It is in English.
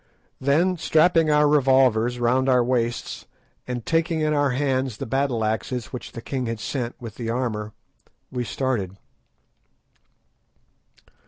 Then strapping our revolvers round our waists, and taking in our hands the battle axes which the king had sent with the armour, we started.